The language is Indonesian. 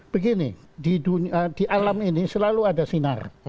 begini di alam ini selalu ada sinar